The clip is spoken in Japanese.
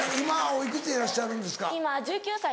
おいくつでいらっしゃるんですか。